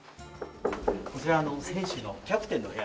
こちら選手のキャプテンの部屋。